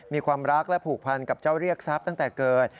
มีความรักและผูกพันกับเจ้าเรียกทรัพย์ตั้งแต่เกิด